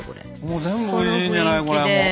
もう全部おいしいんじゃないこれもう。